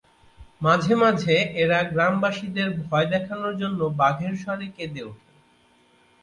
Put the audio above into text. মাঝে মাঝে এরা গ্রামবাসীদের ভয় দেখানোর জন্য বাঘের স্বরে কেঁদে উঠে।